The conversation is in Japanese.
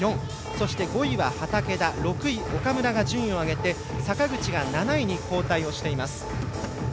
そして５位は畠田６位、岡村が順位を上げて坂口が７位に後退しています。